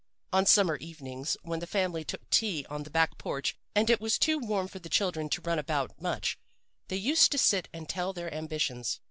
On summer evenings, when the family took tea on the back porch and it was too warm for the children to run about much, they used to sit and tell their ambitions.